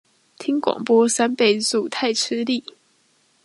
聽廣播三倍速太吃力